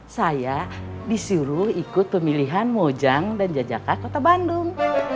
saya disuruh ikut pemilihan mojang dan jajakan kota bandung